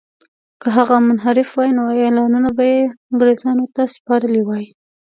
که هغه منحرف وای نو اعلانونه به یې انګرېزانو ته سپارلي وای.